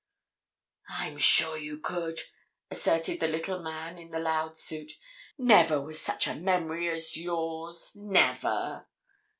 "I'm sure you could!" asserted the little man in the loud suit. "Never was such a memory as yours, never!"